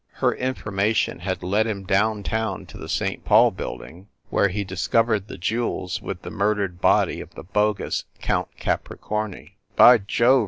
Her information had led him down town to the St. Paul building, where he discovered the jewels with the murdered body of the bogus Count Capricorni. "By Jove!"